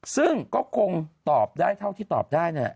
ซึ่งก็คงตอบได้เท่าที่ตอบได้เนี่ย